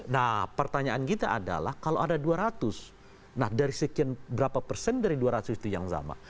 nah pertanyaan kita adalah kalau ada dua ratus nah dari sekian berapa persen dari dua ratus itu yang sama